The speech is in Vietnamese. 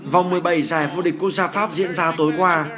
vòng một mươi bảy giải vô địch quốc gia pháp diễn ra tối qua